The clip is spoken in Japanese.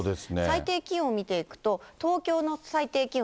最低気温見ていくと、東京の最低気温、